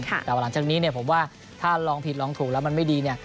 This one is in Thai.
แต่ว่าหลังจากนี้ผมว่าถ้าลองผิดลองถูกแล้วมันไม่ดี